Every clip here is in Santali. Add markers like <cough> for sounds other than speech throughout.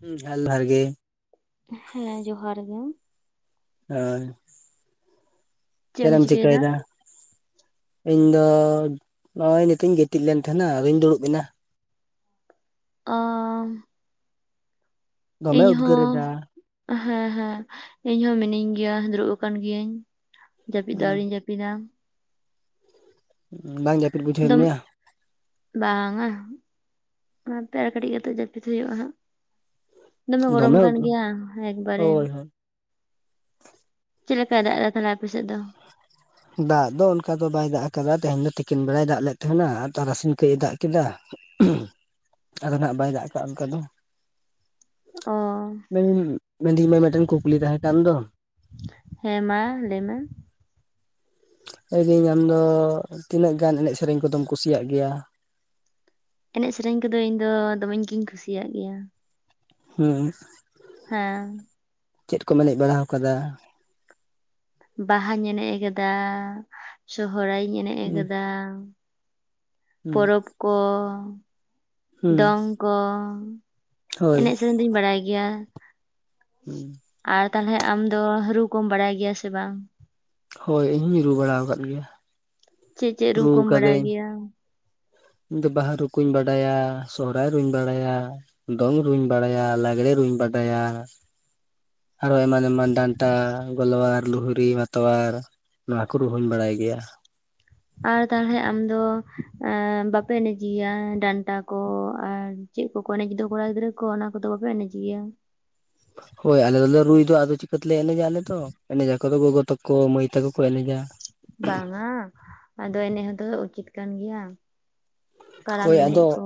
ᱦ ᱡᱷᱟᱞ ᱵᱷᱟᱨ ᱜᱮ ᱦᱮᱸ ᱡᱚᱦᱟᱨ ᱜᱮ ᱦᱳᱭ ᱪᱮᱫ ᱮᱢ ᱪᱮᱫᱮᱢ ᱪᱤᱠᱟᱹᱭᱮᱫᱟ ᱪᱤᱠᱟᱹᱭᱫᱟ ᱤᱧ ᱫᱚ ᱱᱚᱜ ᱚᱭ ᱱᱤᱛᱚᱜ ᱤᱧ ᱜᱤᱛᱤᱡ ᱞᱮᱱ ᱛᱟᱦᱮᱱᱟ ᱟᱫᱚᱧ ᱫᱩᱲᱩᱵ ᱮᱱᱟ ᱚ ᱫᱚᱢᱮ ᱩᱫᱽᱜᱟᱹᱨ ᱤᱧᱦᱚᱸ ᱮᱫᱟ ᱦᱮᱸ ᱦᱮᱸ ᱤᱧᱦᱚ ᱢᱤᱱᱟᱹᱧ ᱜᱮᱭᱟ ᱫᱩᱲᱩᱵ ᱟᱠᱟᱱ ᱜᱤᱭᱟᱹᱧ ᱡᱟᱹᱯᱤᱫ ᱫᱚ ᱦᱩᱸ ᱟᱣᱨᱤ ᱡᱟᱹᱯᱤᱫ ᱯᱱᱟᱹ <inaudible> ᱵᱟᱝ ᱡᱟᱹᱯᱤᱫ ᱵᱩᱡᱷᱟᱹᱣᱮᱫ ᱢᱮᱭᱟ ᱵᱟᱝᱜᱟ ᱚᱱᱟᱛᱮ ᱟᱨᱠᱟᱹᱴᱤᱡ ᱠᱟᱛᱮᱜ ᱡᱟᱹᱯᱤᱫ ᱦᱩᱭᱩᱜᱼᱟ ᱦᱟᱸᱜ ᱫᱚᱢᱮ ᱜᱚᱨᱚᱢ ᱠᱟᱱ ᱜᱮᱭᱟ ᱮᱠᱵᱟᱨᱮ ᱦᱳᱭ ᱦᱳᱭ ᱪᱮᱫ ᱞᱮᱠᱟᱭ ᱫᱟᱜ ᱮᱫᱟ ᱛᱟᱦᱚᱞᱮ ᱟᱯᱮ ᱥᱮᱫ ᱫᱚ ᱫᱟᱜ ᱫᱚ ᱚᱱᱠᱟ ᱫᱚ ᱵᱟᱭ ᱫᱟᱜ ᱟᱠᱟᱫᱟ ᱛᱮᱦᱧ ᱫᱚ ᱛᱤᱠᱤᱱ ᱵᱮᱲᱟᱭ ᱫᱟᱜ ᱞᱮᱫ ᱛᱟᱦᱮᱱᱟ ᱟᱨ ᱛᱟᱨᱟᱥᱤᱧ ᱠᱟᱹᱡ ᱮ ᱫᱟᱜ ᱠᱮᱫᱟ <inaudible> ᱟᱫᱚ ᱱᱟᱜ ᱵᱟᱭ ᱫᱟᱜ ᱠᱟᱜᱼᱟ ᱚᱱᱠᱟ ᱫᱚ ᱚ ᱢᱮᱱᱫᱟᱹᱧ ᱢᱮ ᱢᱤᱫᱴᱮᱱ ᱠᱩᱠᱞᱤ ᱛᱟᱦᱮᱸ ᱠᱟᱱ ᱫᱚ ᱦᱮᱸ ᱢᱟ ᱞᱟᱹᱭ ᱢᱮ ᱞᱟᱹᱭᱫᱟᱹᱧ ᱟᱢᱫᱚ ᱛᱤᱱᱟᱹᱜ ᱜᱟᱱ ᱮᱱᱮᱡ ᱥᱮᱨᱮᱧ ᱠᱚᱫᱚᱢ ᱠᱩᱥᱤᱭᱟᱜ ᱜᱮᱭᱟ ᱮᱱᱮᱡ ᱥᱮᱨᱮᱧ ᱠᱚᱫᱚ ᱤᱧ ᱫᱚ ᱫᱚᱢᱮ ᱜᱤᱧ ᱠᱩᱥᱤᱭᱟᱜ ᱜᱮᱭᱟ ᱦᱮᱸ ᱦᱮᱸ ᱪᱮᱫ ᱠᱚ ᱮᱱᱮᱡ ᱵᱟᱲᱟ ᱟᱠᱟᱫᱟ ᱵᱟᱦᱟᱧ ᱮᱱᱮᱡ ᱟᱠᱟᱫᱟ ᱥᱚᱦᱚᱨᱟᱭ ᱤᱧ ᱮᱱᱮᱡ ᱦᱩᱸ ᱟᱠᱟᱫᱟ ᱦᱩᱸ ᱯᱚᱨᱚᱵᱽ ᱠᱚ ᱦᱩᱸ ᱫᱚᱝ ᱠᱚ ᱦᱳᱭ ᱮᱱᱮᱡ ᱥᱮᱨᱮᱧ ᱫᱚᱧ ᱵᱟᱲᱟᱭ ᱜᱮᱭᱟ ᱦᱮᱸ ᱟᱨ ᱛᱟᱦᱚᱞᱮ ᱟᱢ ᱫᱚ ᱨᱩ ᱠᱚᱢ ᱵᱟᱲᱟᱭ ᱜᱮᱭᱟ ᱥᱮ ᱵᱟᱝ ᱦᱳᱭ ᱤᱧ ᱦᱚᱧ ᱨᱩ ᱵᱟᱲᱟ ᱟᱠᱟᱫ ᱜᱮᱭᱟ ᱪᱮᱫ ᱪᱮᱫ ᱨᱩ ᱠᱚᱢ ᱵᱟᱲᱟᱭ ᱠᱟᱹᱫᱟᱹᱧ ᱜᱮᱭᱟ ᱤᱧ ᱫᱚ ᱵᱟᱦᱟ ᱨᱩᱠᱩᱧ ᱵᱟᱰᱟᱭᱟ ᱥᱚᱦᱚᱨᱟᱭ ᱨᱩᱧ ᱵᱟᱰᱟᱭᱟ ᱫᱚᱝ ᱨᱩᱧ ᱵᱟᱲᱟᱭᱟ ᱞᱟᱜᱽᱲᱮ ᱨᱩᱧ ᱵᱟᱰᱟᱭᱟ ᱟᱨᱚ ᱮᱢᱟᱱ ᱮᱢᱟᱱ ᱰᱟᱱᱴᱟ ᱜᱞᱣᱟᱨ ᱞᱩᱦᱲᱤ ᱵᱟᱛᱣᱟᱨ ᱱᱚᱣᱟ ᱠᱚ ᱨᱩᱦᱩᱧ ᱵᱟᱲᱟᱭ ᱜᱮᱭᱟ ᱟᱨ ᱛᱟᱦᱚᱞᱮ ᱟᱢ ᱫᱚ ᱵᱟᱯᱮ ᱮᱱᱮᱡᱮᱤᱭᱟ ᱰᱟᱱᱴᱟ ᱠᱚ ᱟᱨ ᱪᱮᱫ ᱠᱚᱠᱚ ᱮᱱᱮᱡ ᱫᱚ ᱠᱚᱲᱟ ᱜᱤᱫᱽᱨᱟᱹ ᱠᱚ ᱚᱱᱟ ᱠᱚᱫᱚ ᱵᱟᱯᱮ ᱮᱱᱮᱡ ᱜᱮᱭᱟ ᱦᱚᱭ ᱟᱞᱮ ᱫᱚᱞᱮ ᱨᱩᱭ ᱫᱚ ᱟᱫᱚ ᱪᱤᱠᱟᱹ ᱛᱮᱞᱮ ᱮᱱᱮᱡᱟ ᱟᱞᱮᱫᱚ ᱮᱱᱮᱡᱟ ᱟᱠᱚᱫᱚ ᱜᱚᱜᱚ ᱛᱟᱠᱚ ᱢᱟᱹᱭ ᱛᱟᱠᱚ ᱠᱚ ᱮᱱᱮᱡᱟ ᱵᱟᱝᱼᱟ ᱟᱫᱚ ᱮᱱᱮᱡ ᱦᱚᱸᱛᱚ ᱩᱪᱤᱛ ᱠᱟᱱ ᱜᱮᱭᱟ ᱠᱟᱨᱟᱢ ᱦᱳᱭ ᱮᱱᱮᱡ ᱟᱫᱚ ᱠᱚ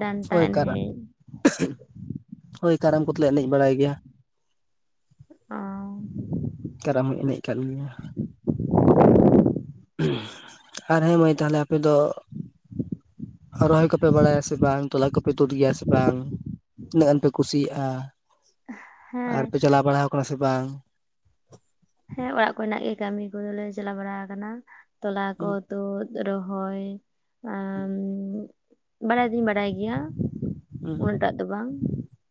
ᱰᱟᱱᱴᱟ ᱦᱳᱭ ᱠᱟᱨᱟᱢ ᱮᱱᱮᱡ ᱦᱳᱭ ᱠᱟᱨᱟᱢ ᱠᱚᱫᱚᱞᱮ ᱮᱱᱮᱡ ᱵᱟᱲᱟᱭ ᱜᱮᱭᱟ ᱚ ᱠᱟᱨᱟᱢ ᱦᱚᱧ ᱮᱱᱮᱡ ᱠᱟᱜ ᱜᱮᱭᱟ ᱟᱨ ᱦᱮᱸ ᱢᱟᱹᱭ ᱛᱟᱦᱞᱮ ᱟᱯᱮ ᱫᱚ ᱨᱚᱦᱚᱭ ᱠᱚᱯᱮ ᱵᱟᱲᱟᱭᱟ ᱥᱮ ᱵᱟᱝ ᱛᱚᱞᱟ ᱠᱚᱯᱮ ᱛᱩᱫ ᱜᱮᱭᱟ ᱥᱮ ᱵᱟᱝ ᱛᱤᱱᱟᱹᱜ ᱜᱟᱱ ᱯᱮ ᱠᱩᱥᱤᱭᱟᱜᱼᱟ ᱦᱮᱸ ᱟᱨᱯᱮ ᱪᱟᱞᱟᱣ ᱵᱟᱲᱟᱣ ᱠᱟᱱᱟ ᱥᱮ ᱵᱟᱝ ᱦᱮᱸ ᱚᱲᱟᱜ ᱠᱚᱨᱮᱱᱟᱜ ᱜᱮ ᱠᱟᱹᱢᱤ ᱠᱚᱫᱚᱞᱮ ᱪᱟᱞᱟᱣ ᱵᱟᱲᱟ ᱟᱠᱟᱱᱟ ᱛᱚᱞᱟ ᱠᱚ ᱦᱩᱸ ᱛᱩᱫ ᱨᱚᱦᱚᱭ ᱟᱨ ᱦᱩᱸ ᱵᱟᱲᱟᱭ ᱫᱩᱧ ᱵᱟᱰᱟᱭ ᱜᱮᱭᱟ <unintelligible> ᱩᱱᱟᱹᱜ ᱴᱟᱜ ᱫᱚ ᱵᱟᱝ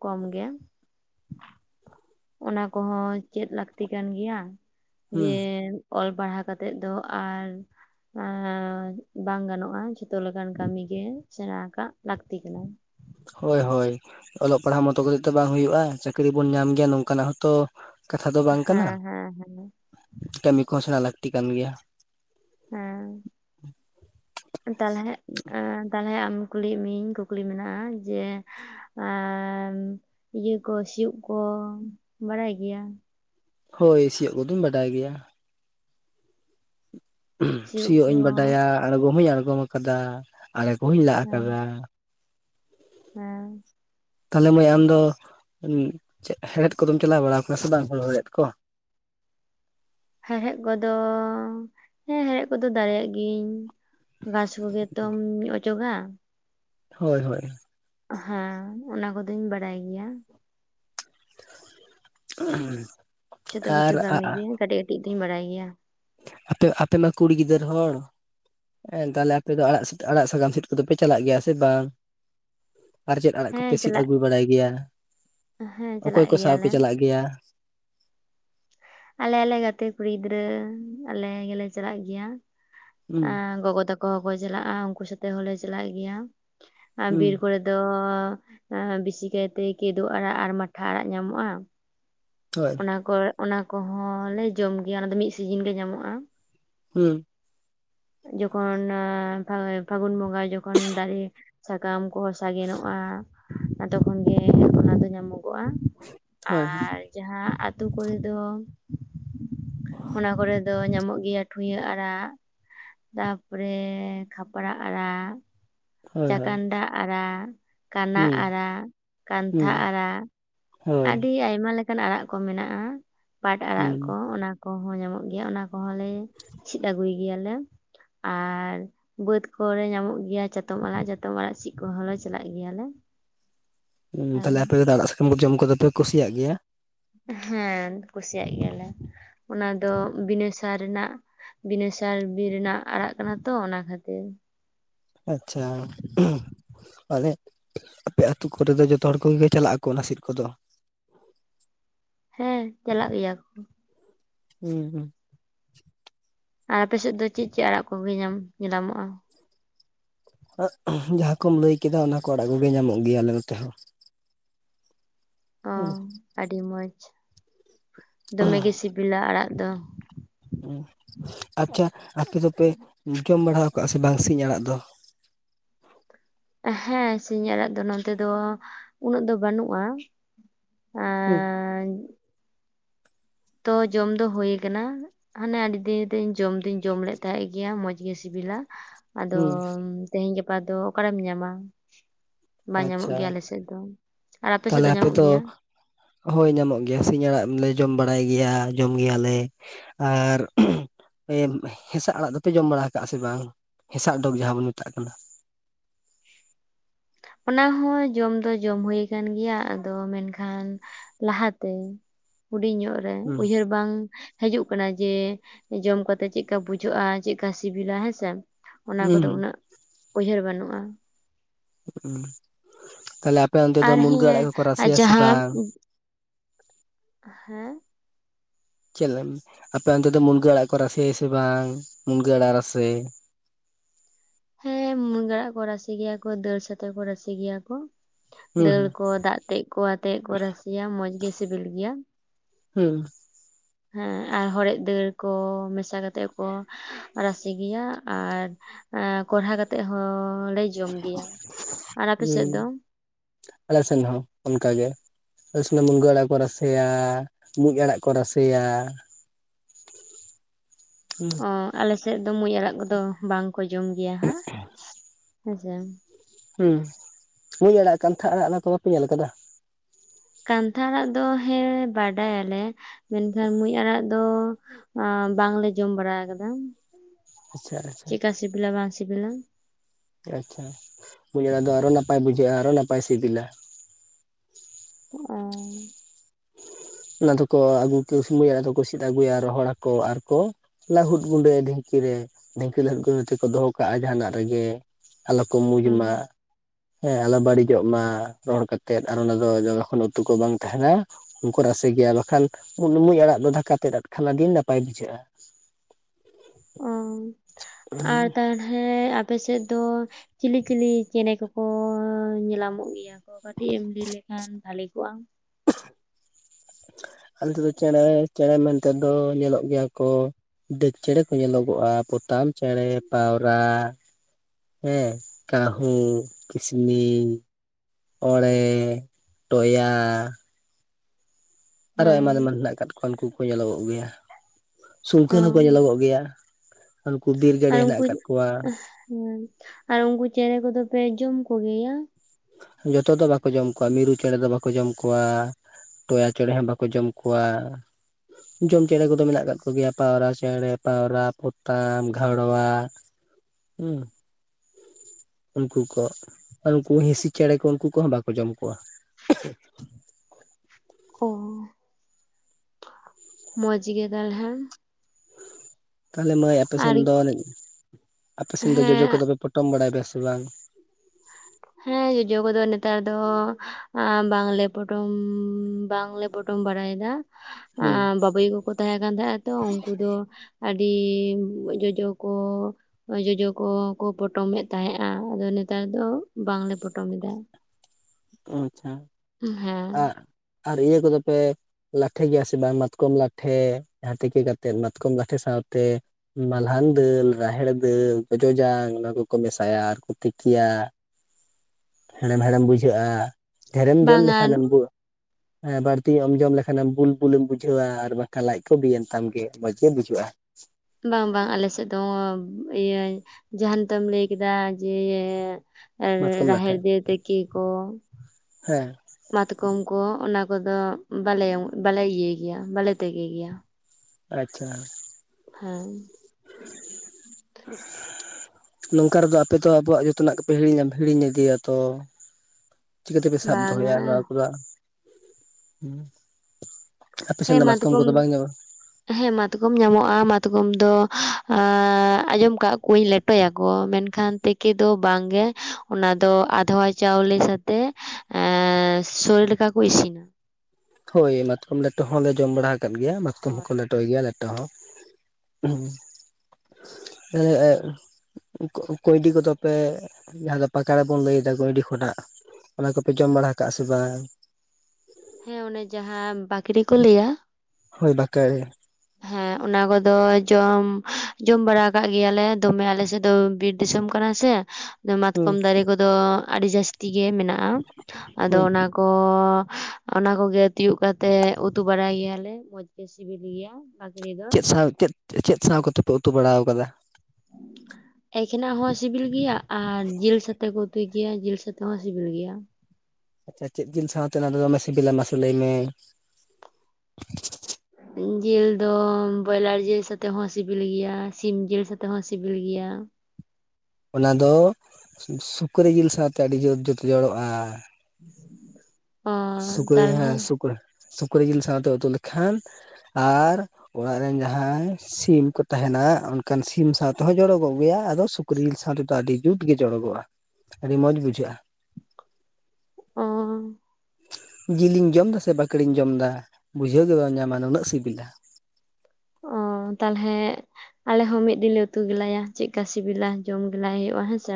ᱠᱚᱢ ᱜᱮ ᱚᱱᱟ ᱠᱚᱦᱚᱸ ᱪᱮᱫ ᱞᱟᱹᱠᱛᱤ ᱠᱟᱱ ᱜᱮᱭᱟ ᱦᱩᱸ ᱡᱮ ᱚᱞ ᱯᱟᱲᱦᱟᱣ ᱠᱟᱛᱮᱜ ᱫᱚ ᱟᱨ ᱵᱟᱝ ᱜᱟᱱᱚᱜᱼᱟ ᱡᱷᱚᱛᱚ ᱞᱮᱠᱟᱱ ᱠᱟᱹᱢᱤ ᱜᱮ ᱥᱮᱬᱟ ᱟᱠᱟᱫ ᱞᱟᱹᱠᱛᱤ ᱠᱟᱱᱟ ᱦᱳᱭ ᱦᱳᱭ ᱚᱞᱚᱜ ᱯᱟᱲᱦᱟᱜ ᱢᱚᱛᱚ ᱠᱟᱛᱮᱜ ᱛᱚ ᱵᱟᱝ ᱦᱩᱭᱩᱜᱼᱟ ᱪᱟᱹᱠᱨᱤ ᱵᱚᱱ ᱧᱟᱢ ᱜᱮᱭᱟ ᱱᱚᱝᱠᱟᱱᱟᱜ ᱦᱚᱸᱛᱚ ᱠᱟᱛᱷᱟ ᱫᱚ ᱵᱟᱝ ᱠᱟᱱᱟ ᱦᱮᱸ ᱦᱮᱸ ᱠᱟᱹᱢᱤ ᱠᱚᱦᱚᱸ ᱥᱮᱬᱟ ᱞᱟᱹᱠᱛᱤ ᱠᱟᱱ ᱜᱮᱭᱟ ᱦᱩᱸ ᱛᱟᱦᱞᱮ ᱛᱟᱦᱞᱮ ᱟᱢ ᱠᱩᱞᱤᱭᱮᱫ ᱢᱮᱤᱭᱟᱹᱧ ᱠᱩᱠᱞᱤ ᱢᱮᱱᱟᱜᱼᱟ ᱡᱮ ᱮᱱ ᱤᱭᱟᱹ ᱠᱚ ᱥᱤᱭᱳᱜ ᱠᱚ ᱵᱟᱲᱟᱭ ᱜᱮᱭᱟ ᱦᱳᱭ ᱥᱤᱭᱚᱜ ᱠᱚᱫᱩᱧ ᱵᱟᱰᱟᱭ ᱜᱮᱭᱟ ᱥᱤᱭᱳᱜ ᱤᱧ ᱵᱟᱰᱟᱭᱟ ᱟᱬᱜᱚᱢ ᱦᱚᱧ ᱟᱬᱜᱚᱢ ᱟᱠᱟᱫᱟ ᱟᱲᱮ ᱠᱚᱦᱚᱧ ᱞᱟᱜ ᱦᱮᱸ ᱟᱠᱟᱫᱟ ᱦᱮᱸ ᱛᱟᱦᱚᱞᱮ ᱢᱟᱹᱭ ᱟᱢᱫᱚ ᱦᱮᱲᱦᱮᱫ ᱠᱚᱫᱚᱢ ᱪᱟᱞᱟᱣ ᱵᱟᱲᱟ ᱟᱠᱟᱱᱟ ᱥᱮ ᱵᱟᱝ ᱦᱚᱲ ᱦᱮᱲᱦᱮᱫ ᱠᱚ ᱦᱮᱲᱦᱮᱫ ᱠᱚᱫᱚ ᱦᱮ ᱦᱮᱲᱦᱮᱫ ᱠᱚᱫᱚ ᱫᱟᱲᱮᱭᱟᱜ ᱜᱤᱧ ᱜᱷᱟᱥ ᱠᱚᱜᱮ ᱛᱚᱢ ᱚᱪᱚᱜᱟ ᱦᱳᱭ ᱦᱳᱭ ᱦᱮᱸ ᱚᱱᱟ ᱠᱚᱫᱚᱧ ᱵᱟᱲᱟᱭ ᱜᱮᱭᱟ ᱦᱮᱸ <unintelligible> ᱡᱷᱚᱛᱚ ᱠᱤᱪᱷᱩ ᱠᱟᱹᱢᱤ ᱜᱮ ᱠᱟᱹᱴᱤᱡ ᱠᱟᱹᱴᱤᱡ ᱫᱩᱧ ᱵᱟᱲᱟᱭ ᱜᱮᱭᱟ ᱟᱯᱮ ᱟᱯᱮ ᱢᱟ ᱠᱩᱲᱤ ᱜᱤᱫᱟᱹᱨ ᱦᱚᱲ ᱦᱮᱸ ᱛᱟᱦᱞᱮ ᱟᱯᱮ ᱫᱚ ᱟᱲᱟᱜ ᱟᱲᱟᱜ ᱥᱟᱠᱟᱢ ᱥᱤᱫ ᱠᱚᱫᱚᱯᱮ ᱪᱟᱞᱟᱜ ᱜᱮᱭᱟ ᱥᱮ ᱵᱟᱝ ᱟᱨ ᱪᱮᱫ ᱟᱲᱟᱜ ᱦᱮᱸ ᱠᱚᱯᱮ ᱥᱤᱫ ᱪᱟᱞᱟᱜ ᱟᱹᱜᱩ ᱵᱟᱲᱟᱭ ᱜᱮᱭᱟ ᱦᱮᱸ ᱚᱠᱚᱭ ᱪᱟᱞᱟᱜ ᱠᱚ ᱜᱮᱭᱟᱞᱮ ᱥᱟᱶᱯᱮ ᱪᱟᱞᱟᱜ ᱜᱮᱭᱟ ᱟᱞᱮ ᱟᱞᱮ ᱜᱟᱛᱮ ᱠᱩᱲᱤ ᱜᱤᱫᱽᱨᱟᱹ ᱟᱞᱮ ᱜᱮᱞᱮ ᱪᱟᱞᱟᱜ ᱜᱮᱭᱟ ᱟ ᱦᱩᱸ ᱜᱚᱜᱚ ᱛᱟᱠᱚ <unintelligible> ᱠᱚ ᱪᱟᱞᱟᱜᱼᱟ ᱩᱱᱠᱩ ᱥᱟᱛᱮᱜ ᱦᱚᱞᱮ ᱪᱟᱞᱟᱜ ᱜᱮᱭᱟ ᱟᱨ ᱦᱩᱸ ᱵᱤᱨ ᱠᱚᱨᱮ ᱫᱚ ᱵᱮᱥᱤᱠᱟᱭᱛᱮ ᱠᱮᱫᱩ ᱟᱲᱟᱜ ᱟᱨ ᱢᱟᱴᱷᱟ ᱟᱲᱟᱜ ᱧᱟᱢᱚᱜᱼᱟ ᱦᱳᱭ ᱚᱱᱟ ᱠᱚ ᱚᱱᱟ ᱠᱚᱦᱚᱸ ᱞᱮ ᱡᱚᱢ ᱜᱮᱭᱟ ᱚᱱᱟ ᱫᱚ ᱢᱤᱫ ᱥᱤᱡᱤᱱ ᱜᱮ ᱧᱟᱢᱚᱜᱼᱟ ᱦᱩᱸ ᱡᱚᱠᱷᱚᱱ ᱯᱷᱟᱜᱩᱱ ᱵᱚᱸᱜᱟ ᱡᱚᱠᱷᱚᱱ ᱫᱟᱨᱮ ᱥᱟᱠᱟᱢ ᱠᱚᱦᱚᱸ ᱥᱟᱜᱮᱱᱚᱜᱼᱟ ᱟ ᱛᱚᱠᱷᱚᱱ ᱜᱮ ᱚᱱᱟ ᱫᱚ ᱧᱟᱢᱚᱜ ᱦᱳᱭ ᱦᱳᱭ ᱟᱨ ᱡᱟᱦᱟᱸ ᱟᱛᱳ ᱠᱚᱨᱮ ᱫᱚ ᱚᱱᱟ ᱠᱚᱨᱮ ᱫᱚ ᱧᱟᱢᱚᱜ ᱜᱮᱭᱟ ᱴᱷᱩᱭᱟᱹ ᱟᱲᱟᱜ ᱛᱟᱯᱚᱨᱮ ᱠᱷᱟᱯᱨᱟᱜ ᱟᱲᱟᱜ ᱦᱳᱭ ᱡᱟᱠᱟᱱᱰᱟ ᱟᱨᱟ ᱠᱟᱱᱟ ᱦᱩᱸ ᱟᱲᱟᱜ ᱠᱟᱱᱛᱷᱟ ᱦᱩᱸ ᱟᱨᱟᱜ ᱦᱳᱭ ᱟᱹᱰᱤ ᱟᱭᱢᱟ ᱞᱮᱠᱟᱱ ᱟᱲᱟᱜ ᱠᱚ ᱢᱮᱱᱟᱜᱼᱟ ᱯᱟᱴ ᱟᱲᱟᱜ ᱦᱩᱸ ᱠᱚ ᱚᱱᱟ ᱠᱚᱦᱚᱸ ᱧᱟᱢᱚᱜ ᱜᱮᱭᱟ ᱚᱱᱟ ᱠᱚᱦᱚᱸ ᱞᱮ ᱪᱤᱫ ᱟᱹᱜᱩᱭ ᱜᱮᱭᱟᱞᱮ ᱟᱨ ᱵᱟᱹᱫᱽ ᱠᱚᱞᱮ ᱧᱟᱢᱚᱜ ᱜᱮᱭᱟ ᱪᱟᱛᱚᱢ ᱟᱲᱟᱜ ᱪᱟᱛᱚᱢ ᱟᱲᱟᱜ ᱥᱤᱫ ᱠᱚᱦᱚᱸᱞᱮ ᱪᱟᱞᱟᱜ ᱜᱮᱭᱟᱞᱮ ᱦᱩᱸ ᱦᱮᱸ ᱛᱟᱦᱮ ᱟᱯᱮ ᱫᱚ ᱫᱲᱟᱜ ᱥᱟᱠᱟᱢ ᱠᱚ ᱡᱚᱢ ᱠᱚᱫᱚ ᱯᱮ ᱠᱩᱥᱤᱭᱟᱜ ᱜᱮᱭᱟ ᱦᱮᱸ ᱠᱩᱥᱤᱭᱟᱜ ᱜᱮᱭᱟᱞᱮ ᱚᱱᱟ ᱫᱚ ᱵᱤᱱᱚᱭ ᱥᱟᱨ ᱨᱮᱱᱟᱜ ᱵᱤᱱᱟᱹ ᱥᱟᱨ ᱵᱤᱨ ᱨᱮᱱᱟᱜ ᱟᱲᱟᱜ ᱠᱟᱱᱟ ᱛᱚ ᱚᱱᱟ ᱠᱷᱟᱹᱛᱤᱨ᱾ ᱟᱪᱷᱟ <unintelligible> ᱟᱞᱮ ᱟᱯᱮ ᱟᱛᱩ ᱠᱚᱨᱮ ᱫᱚ ᱡᱚᱛᱚ ᱦᱚᱲ ᱠᱚᱜᱮ ᱪᱟᱞᱟᱜ ᱟᱠᱚ ᱚᱱᱟᱥᱤᱨ ᱠᱚᱫᱚ ᱦᱮᱸ ᱪᱟᱞᱟᱜ ᱜᱮᱭᱟ ᱠᱚ ᱦᱩᱸ ᱦᱩᱸ ᱟᱸ ᱟᱯᱮᱥᱮᱫ ᱫᱚ ᱪᱮᱫ ᱪᱮᱫ ᱟᱲᱟᱜ ᱠᱚᱜᱮ ᱧᱟᱢ ᱧᱮ ᱧᱟᱢᱚᱜᱼᱟ᱾ ᱡᱟᱦᱟᱸ ᱠᱚᱢ ᱞᱟᱹᱭ ᱠᱮᱫᱟ ᱚᱱᱟ ᱠᱚ ᱟᱲᱟᱜ ᱠᱚᱜᱮ ᱧᱟᱢᱚᱜ ᱜᱮᱭᱟ ᱟᱞᱮ ᱱᱚᱛᱮ ᱦᱚᱸ ᱚ ᱦᱮᱸ ᱟᱹᱰᱤ ᱢᱚᱸᱡᱽ ᱫᱚᱢᱮ ᱜᱤ ᱥᱤᱵᱤᱞᱟ ᱟᱲᱟᱜ ᱫᱚ᱾ ᱟᱪᱪᱷᱟ ᱟᱯᱮ ᱫᱚᱯᱮ ᱡᱚᱢ ᱵᱟᱲᱟ ᱟᱠᱟᱜᱼᱟ ᱥᱮ ᱵᱟᱝ ᱥᱤᱧ ᱟᱲᱟᱜ ᱫᱚ ᱦᱮᱸ ᱥᱤᱧ ᱟᱲᱟᱜ ᱫᱚ ᱱᱚᱛᱮ ᱫᱚ ᱩᱱᱟᱹᱜ ᱫᱚ ᱵᱟᱹᱱᱩᱜᱼᱟ᱾ <unintelligible> ᱟᱨ ᱛᱚ ᱡᱚᱢ ᱫᱚ ᱦᱩᱭ ᱠᱟᱱᱟ ᱦᱟᱱᱮ ᱟᱹᱰᱤ ᱫᱤᱱᱨᱤ ᱡᱚᱢ ᱫᱩᱧ ᱡᱚᱢ ᱞᱮᱫ ᱛᱟᱦᱮᱜ ᱜᱮᱭᱟ ᱢᱚᱸᱡᱽ ᱜᱮ ᱥᱤᱵᱤᱞᱟ ᱟᱫᱚ ᱛᱮᱦᱮᱧ ᱜᱟᱯᱟ ᱫᱚ ᱚᱠᱟᱨᱮᱢ ᱧᱟᱢᱟ ᱵᱟᱝ ᱧᱟᱢᱚᱜ ᱜᱮᱭᱟ ᱟᱞᱮ ᱥᱮᱫ ᱫᱚ ᱟᱨ ᱥᱮᱫ ᱛᱟᱞᱮ ᱟᱯᱮ ᱧᱟᱢᱚᱜ ᱫᱚ ᱜᱮᱭᱟ ᱦᱳᱭ ᱧᱟᱢᱚᱜ ᱜᱮᱭᱟ ᱥᱤᱧ ᱟᱲᱟᱜ ᱞᱮ ᱡᱚᱢ ᱵᱟᱲᱟᱭ ᱜᱮᱭᱟ ᱡᱚᱢ ᱜᱮᱭᱟᱞᱮ ᱟᱨ ᱦᱮᱸᱥᱟᱜ ᱟᱲᱟᱜ ᱫᱚᱯᱮ ᱡᱚᱢ ᱵᱟᱲᱟ ᱦᱟᱠᱟᱜᱼᱟ ᱥᱮ ᱵᱟᱝ ᱦᱮᱥᱟᱜ ᱰᱚᱜᱽ ᱡᱟᱦᱟᱸ ᱵᱚ ᱢᱮᱛᱟᱜ ᱠᱟᱱᱟ ᱚᱱᱟ ᱦᱚᱸ ᱡᱚᱢ ᱫᱚ ᱡᱚᱢ ᱦᱩᱭ ᱠᱟᱱ ᱜᱮᱭᱟ, ᱟᱫᱚ ᱢᱮᱱᱠᱷᱟᱱ ᱞᱟᱦᱟᱛᱮ ᱦᱩᱰᱤᱧ ᱧᱚᱜ ᱨᱮ ᱦᱩᱸ ᱩᱭᱦᱟᱹᱨ ᱵᱟᱝ ᱦᱟᱹᱡᱩᱜ ᱠᱟᱱᱟ ᱡᱮ ᱡᱚᱢ ᱠᱟᱛᱮᱜ ᱪᱮᱜᱠᱟ ᱵᱩᱡᱩᱜᱼᱟ ᱪᱮᱜᱠᱟ ᱥᱤᱵᱤᱞᱟ ᱦᱮᱸᱥᱮ ᱚᱱᱟ ᱦᱩᱸ ᱠᱚᱫᱚ ᱩᱱᱟᱹᱜ ᱩᱭᱦᱟᱹᱨ ᱵᱟᱹᱱᱩᱜᱼᱟ ᱛᱟᱞᱮ ᱟᱯᱮ ᱚᱱᱛᱮ ᱫᱚ ᱟᱨ ᱢᱩᱱᱜᱟᱹ ᱦᱮᱸ ᱟᱲᱟᱜ ᱠᱚᱠᱚ ᱟᱨ ᱨᱟᱥᱮᱭᱟ ᱥᱮ ᱡᱟᱦᱟᱸ ᱵᱟᱝ ᱦᱮᱸ ᱪᱮᱫ ᱞᱮᱢ ᱟᱯᱮ ᱚᱱᱛᱮ ᱫᱚ ᱢᱩᱱᱜᱟᱹ ᱟᱲᱟᱜ ᱠᱚ ᱨᱟᱥᱮᱭᱟ ᱥᱮ ᱵᱟᱝ, ᱢᱩᱱᱜᱟᱹ ᱟᱲᱟᱜ ᱨᱟᱥᱮ?. ᱦᱮᱸ ᱢᱩᱱᱜᱟᱹ ᱟᱲᱟᱜ ᱠᱚ ᱨᱟᱥᱮ ᱜᱮᱭᱟ ᱠᱚ ᱫᱟᱹᱲ ᱥᱟᱛᱮᱜ ᱠᱚ ᱨᱟᱥᱮ ᱜᱮᱭᱟ ᱠᱚ᱾ ᱦᱩᱸ ᱫᱟᱹᱲ ᱠᱚ ᱫᱟᱜ ᱛᱮᱜ ᱠᱚ ᱟᱛᱮ ᱠᱚ ᱨᱟᱥᱮᱭᱟ ᱢᱚᱸᱡᱽᱜᱮ ᱥᱤᱵᱤᱞ ᱜᱮᱭᱟ ᱦᱮᱸ ᱦᱮᱸ ᱟᱨ ᱦᱚᱲᱮᱡ ᱫᱟᱹᱲ ᱠᱚ ᱢᱮᱥᱟ ᱠᱟᱛᱮᱫ ᱠᱚ ᱨᱟᱥᱮ ᱜᱮᱭᱟ ᱟᱨ ᱠᱚᱲᱦᱟ ᱠᱟᱛᱮᱜ ᱦᱚᱸᱞᱮ ᱡᱚᱢ ᱜᱮᱭᱟ ᱟᱨ ᱟᱯᱮ ᱥᱮᱫ ᱦᱩᱸ ᱫᱚ ᱟᱞᱮ ᱥᱮᱱ ᱦᱚᱸ ᱚᱱᱠᱟ ᱜᱮ᱾ ᱥᱮᱱ ᱦᱚᱸ ᱢᱩᱱᱜᱟᱹ ᱟᱲᱟᱜ ᱠᱚ ᱨᱟᱥᱮᱭᱟ ᱢᱩᱡ ᱟᱲᱟᱜ ᱠᱚ ᱨᱟᱥᱮᱭᱟ ᱦᱩᱸ ᱟᱞᱮᱥᱮᱫ ᱫᱚ ᱢᱩᱡ ᱟᱲᱟᱜ ᱠᱚᱫᱚ ᱵᱟᱝ ᱠᱚ ᱡᱚᱢ ᱜᱮᱭᱟ ᱦᱟᱸ ᱦᱮᱸᱥᱮ ᱦᱩᱸ ᱢᱩᱡ ᱟᱲᱟᱜ ᱠᱟᱱᱛᱷᱟ ᱟᱲᱟᱜ ᱟᱠᱩ ᱵᱟᱯᱮ ᱧᱮᱞ ᱟᱠᱟᱫᱟ᱾ ᱠᱟᱱᱛᱷᱟ ᱟᱲᱟᱜ ᱫᱚ ᱦᱮᱸ ᱵᱟᱰᱟᱭᱟᱞᱮ ᱢᱮᱱᱠᱷᱟᱱ ᱢᱩᱡ ᱟᱲᱟᱜ ᱫᱚ ᱟᱫᱚ ᱵᱟᱝ ᱞᱮ ᱡᱚᱢ ᱵᱟᱲᱟ ᱟᱠᱟᱫᱟ, ᱟᱪᱪᱷᱟ ᱟᱪᱪᱷᱟ ᱪᱮᱜᱠᱟ ᱥᱮ ᱯᱤᱞᱟ ᱵᱟᱝ ᱥᱤᱵᱤᱞᱟ ᱟᱪᱷᱟ ᱢᱩᱡᱽ ᱟᱲᱟᱜ ᱫᱚ ᱟᱨᱚ ᱱᱟᱯᱟᱭ ᱵᱩᱡᱷᱟᱹᱜᱼᱟ, ᱟᱨᱚ ᱱᱟᱯᱟᱭ ᱥᱤᱵᱤᱞᱟ᱾ ᱚ ᱚᱱᱟ ᱫᱚᱠᱚ ᱟᱹᱜᱩ ᱠᱚ ᱠ ᱥᱚᱢᱚᱭ ᱟᱲᱟᱜ ᱫᱚᱠᱚ ᱥᱤᱫ ᱟᱹᱜᱩᱭᱟ ᱨᱚᱦᱚᱲᱟᱠᱚ ᱟᱨ ᱠᱚ ᱞᱟᱹᱦᱩᱫ ᱜᱩᱸᱰᱟᱹ ᱰᱷᱤᱝᱠᱤ ᱨᱮ ᱰᱷᱤᱝᱠᱤ ᱞᱟᱹᱦᱩᱫ ᱜᱩᱸᱰᱟᱹ ᱛᱮᱠᱚ ᱫᱚᱦᱚ ᱠᱟᱜᱼᱟ ᱡᱟᱦᱟᱱᱟᱜ ᱨᱮᱜᱮ ᱟᱞᱚ ᱠᱚ ᱢᱩᱡᱽ ᱚ ᱢᱟ ᱦᱮᱸ ᱟᱞᱚ ᱵᱟᱹᱲᱤᱡᱚᱜ ᱢᱟ ᱨᱚᱲ ᱠᱟᱛᱮᱜ ᱟᱨ ᱚᱱᱟ ᱫᱚ ᱡᱚ ᱠᱷᱚᱱ ᱩᱛᱩ ᱠᱚ ᱵᱟᱝ ᱛᱟᱦᱮᱱᱟ᱾ ᱠᱳ ᱨᱟᱥᱮ ᱜᱮᱭᱟ ᱵᱟᱠᱷᱟᱱ ᱢᱩᱡ ᱟᱲᱟᱜ ᱫᱚᱷᱟᱠᱟᱛᱮᱜ ᱠᱷᱟᱱ ᱫᱤᱱ ᱱᱟᱯᱟᱭ ᱵᱩᱡᱷᱟᱹᱻᱟ ᱚ ᱟᱨ ᱛᱟᱲ ᱦᱮᱸ ᱟᱯᱮᱥᱮᱫ ᱫᱚ ᱪᱤᱞᱤ ᱪᱤᱞᱤ ᱪᱮᱬᱮ ᱠᱚᱠᱚ ᱧᱮᱞᱟᱢᱚᱜ ᱜᱮᱭᱟ ᱠᱚ ᱠᱟᱹᱴᱤᱡ ᱮᱢ ᱞᱟᱹᱭ ᱞᱮᱠᱷᱟᱱ ᱵᱷᱟᱞᱮ ᱠᱚᱜᱼᱟ ᱟᱞᱮ ᱛᱮᱫᱚ ᱪᱮᱬᱮ ᱪᱮᱬᱮ ᱢᱮᱱᱛᱮ ᱫᱚ ᱧᱮᱞᱚᱜ ᱜᱮᱭᱟ ᱠᱚ᱾ ᱰᱮᱠ ᱪᱮᱬᱮ ᱠᱚ ᱧᱮᱞᱚᱜᱚᱜᱼᱟ ᱯᱚᱛᱟᱢ ᱪᱮᱬᱮ ᱯᱟᱣᱨᱟ ᱦᱮᱸ ᱠᱟᱹᱦᱩ ᱠᱤᱥᱱᱤ ᱚᱬᱮ ᱴᱚᱭᱟ ᱟᱨᱚ ᱦᱮᱸ ᱟᱭᱢᱟ ᱜᱟᱱ ᱢᱟ ᱢᱮᱱᱟᱜ ᱟᱠᱟᱫ ᱠᱚᱣᱟ ᱩᱱᱠᱩ ᱠᱚ ᱧᱮᱞᱚᱜᱚᱜ ᱜᱮᱭᱟ ᱚ ᱥᱩᱝᱠᱷᱟᱹᱱ ᱦᱚᱸᱠᱚ ᱧᱮᱞᱚᱜᱚᱜ ᱜᱮᱭᱟ ᱩᱱᱠᱩ ᱵᱤᱨ ᱜᱮᱰᱮ ᱟᱨ ᱦᱮᱱᱟᱜ ᱩᱱᱠᱩ ᱟᱠᱟᱫ ᱠᱚᱣᱟ᱾ ᱦᱮᱸ ᱟᱨ ᱩᱱᱠᱩ ᱪᱮᱬᱮ ᱠᱚᱫᱚ ᱯᱮ ᱡᱚᱢ ᱠᱚᱜᱮᱭᱟ? ᱡᱚᱛᱚ ᱫᱚ ᱵᱟᱠᱚ ᱡᱚᱢ ᱠᱚᱣᱟ ᱢᱤᱨᱩ ᱪᱮᱬᱮ ᱫᱚ ᱵᱟᱠᱚ ᱡᱚᱢ ᱠᱚᱣᱟ ᱴᱚᱭᱟ ᱪᱮᱬᱮ ᱦᱚᱸ ᱵᱟᱠᱚ ᱡᱚᱢ ᱠᱚᱣᱟ ᱡᱚᱢ ᱪᱮᱬᱮ ᱠᱚᱫᱚ ᱢᱮᱱᱟᱜ ᱟᱠᱟᱫ ᱠᱚᱜᱮᱭᱟ ᱯᱟᱣᱨᱟ ᱪᱮᱬᱮ ᱯᱟᱣᱨᱟ ᱯᱚᱛᱟᱢ ᱜᱷᱮᱸᱲᱣᱟ ᱦᱩᱸ ᱩᱱᱠᱩ ᱠᱚ ᱟᱨ ᱩᱱᱠᱩ ᱦᱤᱥᱤ ᱪᱮᱬᱮ ᱠᱚ ᱩᱱᱠᱩ ᱠᱚᱦᱚᱸ ᱵᱟᱠᱚ ᱡᱚᱢ ᱠᱚᱣᱟ᱾ ᱚ ᱢᱚᱡᱽ ᱜᱮ ᱛᱟᱞᱦᱮ ᱛᱟᱦᱞᱮ ᱢᱟᱹᱭ ᱟᱨ ᱟᱯᱮᱥᱱ ᱫᱚ ᱟᱯᱮᱥᱱ ᱫᱚ ᱡᱚᱡᱚ ᱦᱮᱸ ᱠᱚᱫᱚᱯᱮ ᱯᱚᱴᱚᱢ ᱵᱟᱲᱟᱭ ᱜᱮᱭᱟ ᱥᱮ ᱵᱟᱝ ᱦᱮᱸ ᱡᱚᱡᱚ ᱠᱚᱫᱚ ᱱᱮᱛᱟᱨ ᱫᱚ ᱵᱟᱝᱞᱮ ᱯᱚᱴᱚᱢ ᱵᱟᱝᱞᱮ ᱯᱚᱴ ᱯᱚᱴᱚᱢ ᱵᱟᱲᱟᱭᱮᱫᱟ ᱦᱩᱸ ᱵᱵᱟᱹᱭ ᱠᱚᱠᱚ ᱛᱟᱦᱮᱸ ᱠᱟᱱ ᱛᱟᱦᱮᱸᱼᱟ ᱛᱚ ᱩᱱᱠᱩ ᱫᱚ ᱟᱹᱰᱤ ᱡᱚᱡᱚ ᱠᱚ ᱡᱚᱡᱚ ᱠᱚᱠᱚ ᱯᱚᱴᱚᱢᱮᱫ ᱛᱟᱦᱮᱸᱜ - ᱟ ᱟᱫᱚ ᱱᱮᱛᱟᱨ ᱫᱚ ᱵᱟᱝᱞᱮ ᱯᱚᱴᱚᱢ ᱮᱟ ᱟᱪᱷᱟ ᱦᱮᱸ ᱟᱨ ᱟᱨ ᱤᱭᱟᱹ ᱠᱚᱫᱚ ᱯᱮ ᱞᱟᱴᱷᱮ ᱜᱮᱭᱟ ᱥᱮ ᱵᱟᱝ ᱢᱟᱛᱠᱚᱢ ᱞᱟᱴᱷᱮ ᱡᱟᱦᱟᱸ ᱛᱮᱠᱮ ᱠᱟᱛᱮᱫ ᱢᱟᱛᱠᱚᱢ ᱞᱟᱴᱷᱮ ᱥᱟᱶᱛᱮ ᱢᱟᱞᱦᱟᱱ ᱫᱟᱹᱞ ᱨᱟᱦᱮᱲ ᱫᱟᱹᱞ ᱡᱚᱡᱚ ᱡᱟᱝ ᱚᱱᱟ ᱠᱚᱠᱚ ᱢᱮᱥᱟᱭᱟ ᱟᱨᱠᱚ ᱛᱤᱠᱤᱭᱟ <inaudible> ᱦᱮᱲᱮᱢ ᱦᱮᱬᱮᱢ ᱵᱩᱡᱷᱟᱹᱜᱼᱟ ᱦᱮᱨᱮᱢ ᱡᱚᱢ ᱵᱟᱝᱟ ᱞᱮᱠᱷᱟᱱᱮᱢ ᱵᱩᱜᱼᱟ ᱵᱟᱹᱲᱛᱤ ᱮᱢ ᱡᱚᱢ ᱞᱮᱠᱷᱟᱱᱢ ᱵᱩᱞ ᱵᱩᱞᱮᱢ ᱵᱩᱡᱷᱟᱹᱣᱟ ᱟᱨ ᱵᱟᱠᱷᱟᱱ ᱞᱟᱡ ᱠᱚ ᱵᱤᱭᱮᱱ ᱛᱟᱢ ᱜᱮ ᱢᱚᱸᱡᱽ ᱜᱮ ᱵᱩᱡᱷᱟᱹᱜᱼᱟ ᱵᱟᱝ ᱵᱟᱝ ᱟᱞᱮᱥᱮᱫ ᱫᱚ ᱤᱭᱟᱹ ᱡᱟᱦᱟᱸ ᱱᱤᱛ ᱮᱢ ᱞᱟᱹᱭ ᱠᱮᱫᱟ ᱡᱮ ᱟᱨ ᱨᱟ ᱢᱟᱛᱠᱚᱢ ᱨᱟᱦᱮᱨ ᱞᱟᱴᱷᱮ ᱫᱟᱹᱞ ᱛᱮᱠᱮ ᱠᱚ ᱦᱮᱸ ᱢᱟᱛᱠᱚᱢ ᱠᱚ ᱚᱱᱟ ᱠᱚᱫᱚ ᱵᱟᱞᱮ ᱵᱟᱞᱮ ᱤᱭᱟᱹᱭ ᱜᱮᱭᱟ ᱵᱟᱞᱮ ᱛᱮᱜᱮ ᱜᱮᱭᱟ ᱟᱪᱷᱟ ᱦᱮᱸ <unintelligible> ᱱᱚᱝᱠᱟ ᱨᱮᱫᱚ ᱟᱯᱮ ᱫᱚ ᱟᱵᱚᱣᱟᱜ ᱡᱚᱛᱚᱱᱟᱜ ᱜᱮᱯᱮ ᱦᱤᱲᱤᱧᱟ ᱦᱤᱲᱤᱧ ᱤᱫᱤᱭᱟ ᱛᱚ ᱪᱤᱠᱟᱹᱛᱮᱯᱮ ᱥᱟᱵ ᱫᱚᱦᱚᱭᱟ ᱵᱟᱝᱟ ᱱᱚᱣᱟ ᱠᱚᱫᱚ ᱦᱸ ᱦᱮᱸ ᱢᱟᱛᱠᱚᱢ ᱦᱮᱸ ᱢᱟᱛᱠᱚᱢ ᱧᱟᱢᱚᱜᱼᱟ ᱢᱟᱛᱠᱚᱢ ᱫᱚ ᱟᱸᱡᱚᱢ ᱠᱟᱜ ᱠᱚᱣᱟᱹᱧ ᱞᱮᱴᱚᱭᱟᱠᱚ ᱢᱮᱱᱠᱷᱟᱱ ᱛᱮᱠᱮ ᱫᱚ ᱵᱟᱝᱜᱮ ᱚᱱᱟ ᱫᱚ ᱟᱫᱷᱣᱟ ᱪᱟᱣᱞᱮ ᱥᱟᱛᱮᱜ ᱮ ᱥᱚᱲᱮ ᱞᱮᱠᱟ ᱠᱚ ᱤᱥᱤᱱᱟ ᱦᱳᱭ ᱢᱟᱛᱠᱚᱢ ᱞᱮᱴᱚ ᱦᱚᱸᱞᱮ ᱡᱚᱢ ᱵᱟᱲᱟ ᱟᱠᱟᱫ ᱜᱮᱭᱟ ᱢᱟᱛᱠᱚᱢ ᱦᱚᱸᱠᱚ ᱞᱮ ᱞᱮᱴᱚᱭ ᱜᱮᱭᱟ ᱞᱮᱴᱚ ᱦᱚᱸ ᱠᱸᱭᱰᱤ ᱠᱚᱫᱚ ᱯᱮ ᱡᱟᱦᱟᱸ ᱫᱚ ᱯᱟᱸᱠᱟᱲ ᱨᱮᱵᱚᱱ ᱞᱟᱹᱭᱮᱫᱟ ᱠᱸᱭᱰᱤ ᱠᱷᱚᱱᱟᱜ ᱚᱱᱟ ᱠᱚᱯᱮ ᱡᱚᱢ ᱵᱟᱲᱟ ᱟᱠᱟᱜᱼᱟ ᱥᱮ ᱵᱟᱝ ᱦᱮᱸ ᱚᱱᱮ ᱡᱟᱦᱟᱸ ᱵᱟᱠᱲᱮ ᱠᱚ ᱞᱟᱹᱭᱟ ᱦᱳᱭ ᱵᱟᱠᱟᱨᱮ ᱦᱮᱸ ᱚᱱᱟ ᱠᱚᱫᱚ ᱡᱚᱢ ᱡᱚᱢ ᱵᱟᱲᱟ ᱠᱟᱜ ᱜᱮᱭᱟᱞᱮ ᱫᱚᱢᱮ ᱟᱞᱮ ᱥᱮᱫ ᱫᱚ ᱵᱤᱨ ᱫᱤᱥᱚᱢ ᱠᱟᱱᱟ ᱥᱮ ᱦᱩᱸ ᱢᱟᱛᱠᱚᱢ ᱫᱟᱨᱮ ᱠᱚᱫᱚ ᱟᱹᱰᱤ ᱡᱟᱹᱥᱛᱤ ᱜᱮ ᱢᱮᱱᱟᱜᱼᱟ ᱟᱫᱚ ᱦᱩᱸ ᱚᱱᱟ ᱠᱚ ᱚᱱᱟ ᱠᱚᱜᱮ ᱛᱤᱭᱩᱜ ᱠᱟᱛᱮᱜ ᱩᱛᱩ ᱵᱟᱲᱟᱭ ᱜᱮᱭᱟᱞᱮ ᱢᱚᱸᱡᱽ ᱜᱮ ᱥᱤᱵᱤᱞ ᱜᱮᱭᱟ ᱵᱟᱸᱠᱲᱮ ᱫᱚ ᱪᱮᱫ ᱥᱟᱶ ᱪᱮᱫ ᱪᱮᱫ ᱥᱟᱶᱛᱮ ᱯᱮ ᱩᱛᱩ ᱵᱟᱲᱟᱟᱣ ᱟᱠᱟᱫᱟ? ᱮᱠᱷᱮ ᱱᱟᱜ ᱦᱚᱸ ᱥᱤᱵᱤᱞ ᱜᱤᱭᱟ ᱟᱨ ᱡᱤᱞ ᱥᱟᱛᱮᱜ ᱠᱚ ᱩᱛᱩᱭ ᱜᱤᱭᱟ ᱡᱤᱞ ᱥᱟᱛᱮᱜ ᱦᱚᱸ ᱥᱤᱵᱤᱞ ᱜᱤᱭᱟ᱾ ᱟᱪᱪᱷᱟ ᱪᱮᱫ ᱡᱤᱞ ᱥᱟᱸᱶᱛᱮ ᱚᱱᱟ ᱫᱚ ᱫᱚᱢᱮ ᱥᱤᱵᱤᱞᱟ ᱢᱟ ᱥᱮ ᱞᱟᱹᱭ ᱢᱮ? ᱤ ᱡᱮᱞ ᱫᱚ ᱵᱚᱭᱞᱟᱨ ᱡᱮᱞ ᱥᱟᱛᱮᱜ ᱦᱚᱸ ᱥᱤᱵᱤᱞ ᱜᱤᱭᱟ ᱥᱤᱢ ᱡᱮᱞ ᱥᱟᱛᱮᱜ ᱦᱚᱸ ᱥᱤᱵᱤᱞ ᱜᱤᱭᱟ᱾ ᱚᱱᱟ ᱫᱚ ᱥᱩ ᱥᱩᱠᱨᱤ ᱡᱤᱞ ᱥᱟᱶᱛᱮ ᱟᱹᱰᱤ ᱡᱳᱨ ᱡᱩᱛ ᱡᱚᱲᱚᱜ-ᱟ᱾ ᱚ ᱥᱩᱠᱨᱤ ᱦᱮᱸ ᱛᱟᱦᱚᱞᱮ ᱥᱩᱠᱨ ᱥᱩᱠᱨᱤ ᱡᱤᱞ ᱥᱟᱸᱶᱛᱮ ᱩᱛᱩ ᱞᱮᱠᱷᱟᱱ ᱟᱨᱼᱼ ᱚᱲᱟᱜ ᱨᱮᱱ ᱡᱟᱦᱟᱸᱭ ᱥᱤᱢ ᱠᱚ ᱛᱟᱦᱮᱱᱟ ᱚᱱᱠᱟᱱ ᱥᱤᱢ ᱥᱟᱸᱶ ᱛᱮᱦᱚᱸ ᱡᱚᱲᱚᱜᱚᱜ ᱜᱮᱭᱟ ᱟᱫᱚ ᱥᱩᱠᱼᱼ ᱩᱠᱨᱤ ᱡᱤᱞ ᱥᱟᱶ ᱛᱮᱫᱚ ᱟᱰᱤ ᱡᱩᱛ ᱜᱮ ᱡᱚᱲᱚᱜᱚᱜᱼᱟ ᱟᱰᱤ ᱢᱚᱸᱡᱽ ᱵᱩᱡᱷᱟᱹᱜ-ᱟ᱾ ᱚ ᱡᱤᱞ‌ ᱞᱤᱧ ᱡᱚᱢ ᱫᱟ ᱥᱮ ᱵᱟᱠᱮᱲᱤᱧ ᱡᱚᱢ ᱫᱟ ᱵᱩᱡᱷᱟᱹᱣ ᱜᱮ ᱵᱟᱢ‌ ᱧᱟᱢᱟ ᱱᱩᱱᱟᱹᱜ ᱥᱤᱵᱤᱞᱟ᱾ ᱚᱸ ᱛᱟᱞᱦᱮᱜᱼᱼ ᱟᱞᱮ ᱦᱚᱸ ᱢᱤᱫ ᱫᱤᱱ ᱞᱮ ᱩᱛᱩ ᱜᱮᱞᱟᱭᱟ ᱪᱮᱫ ᱠᱟ ᱥᱤᱵᱤᱞᱟ ᱡᱚᱢ ᱜᱮᱞᱟᱭ ᱦᱩᱭᱩᱜ-ᱟ ᱦᱮᱸᱥᱮ᱾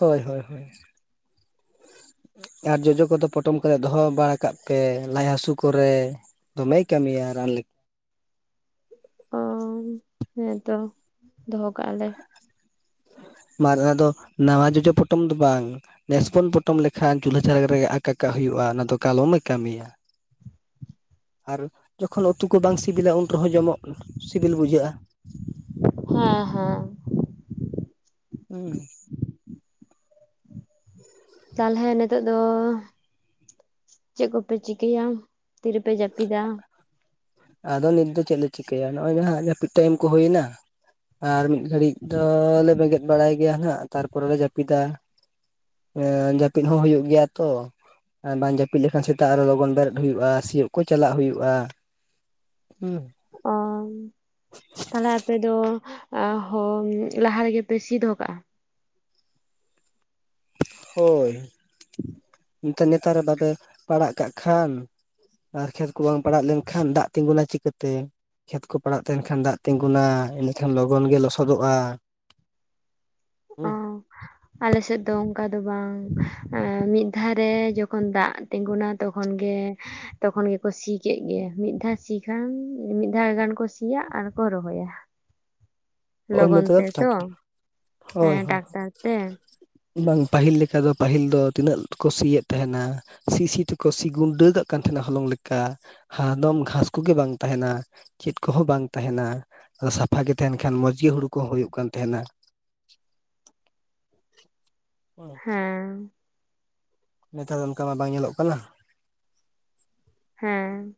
ᱦᱚᱭ ᱦᱚᱭ ᱦᱚᱭ᱾ ᱟᱨ ᱡᱚᱡᱚ ᱠᱚᱫᱚ ᱯᱚᱴᱚᱢ ᱠᱟᱛᱮᱫ ᱫᱚᱦᱚ ᱵᱟᱲᱟ ᱠᱟᱜ ᱯᱮ ᱞᱟᱡ ᱦᱟᱥᱩ ᱠᱚᱨᱮ᱾ ᱫᱚᱢᱮᱭ ᱠᱟᱹᱢᱤᱭᱟ ᱨᱟᱱ ᱞᱮᱠᱼᱼ ᱚᱝ ᱦᱮᱸᱛᱚ ᱫᱚᱦᱚ ᱠᱟᱜ-ᱟ ᱞᱮ᱾ ᱢᱟᱨ ᱟᱫᱚ ᱱᱟᱶᱟ ᱡᱚᱡᱚ ᱯᱚᱴᱚᱢ ᱫᱚ ᱵᱟᱝ ᱱᱮᱥ ᱯᱚᱱ ᱯᱚᱼᱼ ᱴᱚᱢ ᱞᱮᱠᱷᱟᱱ ᱪᱩᱞᱦᱟᱹ ᱡᱷᱟᱨᱟᱠ ᱨᱮ ᱟᱠᱟ ᱠᱟᱜ ᱦᱩᱭᱩᱜ-ᱟ ᱚᱱᱟ ᱫᱚ ᱠᱟᱞᱚᱢᱮ ᱠᱟᱢᱤᱭᱟ᱾ ᱟᱨ ᱡᱚᱠᱷᱚᱱ ᱩᱛᱩ ᱠᱚ ᱵᱟᱝ ᱥᱤᱵᱤᱞᱟ ᱩᱱ ᱨᱮᱦᱚᱸ ᱡᱚᱢᱚᱜ ᱥᱤᱵᱤᱞ ᱵᱩᱡᱷᱟᱹᱜ-ᱟ᱾ ᱦᱮᱸ ᱦᱮᱸ ᱩᱸᱻ ᱛᱟᱞᱦᱮ ᱱᱤᱛᱚᱜ ᱫᱚᱼᱼ ᱪᱮᱜ ᱠᱚᱯᱮ ᱪᱤᱠᱟᱹᱭᱟ ᱛᱤᱨᱮ ᱯᱮ ᱡᱟᱯᱤᱫᱟ? ᱟᱫᱚ ᱱᱤᱛ ᱫᱚ ᱪᱮᱫ ᱞᱮ ᱪᱤᱠᱟᱹᱭᱟ ᱱᱚᱜ-ᱚᱚᱭ ᱡᱟᱦᱟᱸ ᱡᱟᱯᱤᱫ ᱴᱟᱭᱤᱢ ᱠᱚ ᱦᱚᱭᱮᱱᱟ? ᱟᱨ ᱢᱤᱫ ᱜᱷᱟᱹᱲᱤᱡ ᱫᱚ ᱞᱮ ᱵᱮᱸᱜᱮᱫ ᱵᱟᱲᱟᱭ ᱜᱮᱭᱟ ᱦᱟᱸᱜ ᱛᱟᱨᱯᱚᱨᱮ ᱞᱮ‌ ᱡᱟᱹᱯᱤᱫᱟ᱾ ᱮᱸ ᱡᱟᱹᱯᱤᱫ ᱦᱚᱸ ᱦᱩᱭᱩᱜ ᱜᱮᱭᱟ ᱛᱚ᱾ ᱟᱨ ᱵᱟᱝ ᱡᱟᱹᱯᱤᱫ ᱞᱮᱠᱷᱟᱱ ᱥᱮᱛᱟᱜ ᱟᱨᱦᱚ ᱞᱚᱜᱚᱱ ᱵᱮᱨᱮᱫ ᱦᱩᱭᱩᱜ-ᱟ ᱥᱤᱭᱳᱜ ᱠᱚ ᱪᱟᱞᱟᱜ ᱦᱩᱭᱩᱜ-ᱟ᱾ ᱩᱸ᱾ ᱚᱸ ᱛᱟᱞᱦᱮ ᱟᱯᱮ ᱫᱚᱼᱼ ᱟᱸ ᱦᱚᱭ ᱞᱟᱦᱟ ᱨᱮᱜᱮ ᱯᱮ ᱥᱤᱫ ᱫᱚᱦᱚ ᱠᱟᱜ-ᱟ᱾ ᱦᱳᱭ᱾ ᱮᱱᱛᱮᱜ ᱱᱮᱛᱟᱨ ᱨᱮ ᱵᱟᱯᱮ ᱯᱟᱲᱟᱜ ᱠᱟᱜ ᱠᱷᱟᱱᱼᱼ ᱟᱨ ᱠᱷᱮᱛ ᱠᱚ ᱵᱟᱝ ᱯᱟᱲᱟᱜ ᱞᱮᱱ ᱠᱷᱟᱱ ᱫᱟᱜ ᱛᱤᱸᱜᱩᱱᱟ ᱪᱤᱠᱟᱹᱛᱮ? ᱠᱷᱮᱛ ᱠᱚ ᱯᱟᱲᱟᱜ ᱛᱟᱦᱮᱱ ᱠᱷᱟᱱ ᱫᱟᱜ ᱛᱤᱸᱜᱩᱱᱟ ᱮᱸᱰᱮᱠᱷᱟᱱ ᱞᱚᱜᱚᱱ ᱜᱮ ᱞᱚᱥᱚᱫᱚᱜ-ᱟ᱾ ᱚ ᱦᱚᱭ᱾ ᱟᱞᱮ ᱥᱮᱫ ᱫᱚ ᱚᱱᱠᱟ ᱫᱚ ᱵᱟᱝ ᱮᱸ ᱢᱤᱫ ᱫᱷᱟ ᱨᱮ ᱡᱚᱠᱷᱚᱱ ᱫᱟᱜᱼᱼ ᱛᱤᱸᱜᱩᱱᱟ ᱛᱚᱠᱷᱚᱱ ᱜᱮᱼᱼ ᱛᱚᱠᱷᱚᱱ ᱜᱮᱠᱚ ᱥᱤ ᱠᱮᱫ ᱜᱮ ᱢᱤᱫ ᱫᱷᱟᱣ ᱥᱤ ᱠᱷᱟᱱ ᱢᱤᱫ ᱫᱷᱟᱣ ᱜᱟᱱ ᱠᱚ ᱥᱤᱭᱟ ᱟᱨ ᱠᱚ ᱨᱚᱦᱚᱭᱟ᱾ ᱦᱳᱭ ᱞᱚᱜᱚᱱ ᱱᱮᱛᱟᱨ ᱫᱚ ᱛᱮᱛᱚ ᱴᱟᱠ ᱦᱚᱭ ᱦᱮᱸ ᱦᱚᱭ᱾ ᱴᱟᱠᱴᱟᱨ ᱛᱮ ᱵᱟᱝ ᱯᱟᱹᱦᱤᱞ ᱞᱮᱠᱟ ᱫᱚ ᱯᱟᱹᱦᱤᱞ ᱫᱚ ᱛᱤᱱᱟᱹᱜ ᱠᱚ ᱥᱤ ᱭᱮᱫ ᱛᱟᱦᱮᱱᱟ᱾ ᱥᱤ ᱥᱤ ᱛᱮᱠᱚ ᱥᱤ ᱜᱩᱱᱰᱟᱹ ᱠᱟᱜ ᱠᱟᱱ ᱛᱟᱦᱮᱱᱟ ᱦᱚᱞᱚᱝ ᱞᱮᱠᱟ᱾ ᱦᱟ ᱫᱚᱢ ᱜᱷᱟᱥ ᱠᱚᱜᱮ ᱵᱟᱝ ᱛᱟᱦᱮᱱᱟ ᱪᱮᱫ ᱠᱚᱦᱚᱸ ᱵᱟᱝ ᱛᱟᱦᱮᱱᱟ ᱟᱫᱚ ᱥᱟᱯᱷᱟ ᱜᱮ ᱛᱟᱦᱮᱱᱼᱼ ᱠᱷᱟᱱ ᱢᱚᱡᱽ ᱜᱮ ᱦᱩᱲᱩ ᱠᱚᱦᱚᱸ ᱦᱩᱭᱩᱜ ᱠᱟᱱ ᱛᱟᱦᱮᱱᱟ, ᱦᱚ᱾ ᱦᱮᱸ᱾ ᱱᱮᱛᱟᱨ ᱫᱚ ᱚᱱᱠᱟ ᱢᱟ ᱵᱟᱝ ᱧᱮᱞᱚᱜ ᱠᱟᱱᱟ᱾ ᱦᱮᱸ᱾